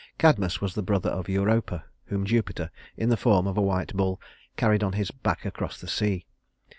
Cadmus was the brother of Europa, whom Jupiter, in the form of a white bull, carried on his back across the sea.